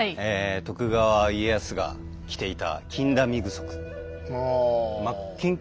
徳川家康が着ていた真っ金々